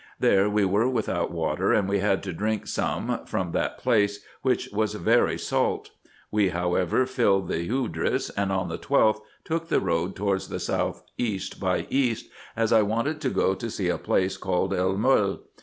There we were without water, and we had to drink some, from that place, which was very salt ; we, however, filled the hudris, and on the 12th, took the road towards the south east by east, as I wanted to go to see a place named El Moele.